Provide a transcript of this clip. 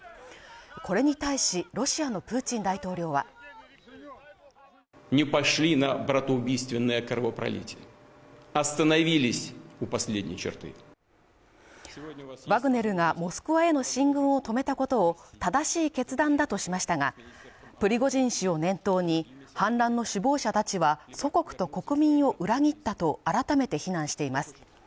これに対しロシアのプーチン大統領はワグネルがモスクワへの進軍を止めたことを正しい決断だとしましたがプリゴジン氏を念頭に反乱の首謀者たちは祖国と国民を裏切ったと改めて非難しています